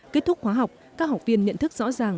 kết thúc khóa học các học viên nhận thức rõ ràng